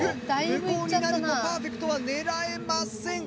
無効になるとパーフェクトは狙えません。